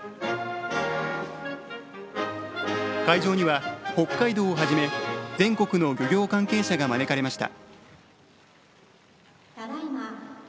会場には北海道をはじめ全国の漁業関係者が招かれました。